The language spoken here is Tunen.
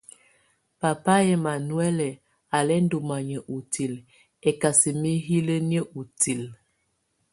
Papa ɛmanuhuɛlɛ á lɛ ndɔ manya utilǝ, ɛkasɛ mɛ hílǝ́nìǝ́ utilǝ́.